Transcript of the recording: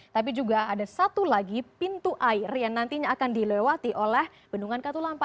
tapi juga ada satu lagi pintu air yang nantinya akan dilewati oleh bendungan katulampa